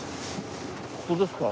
ここですか？